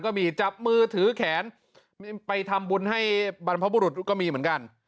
ก็มีจับมือถือแขนไปทำบุญให้บรรพบุรุษก็มีเหมือนกัน